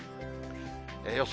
予想